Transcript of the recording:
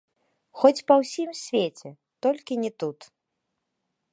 Хоць па ўсім свеце, толькі не тут!